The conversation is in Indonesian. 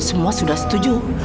semua sudah setuju